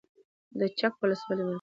د چک ولسوالۍ مرکز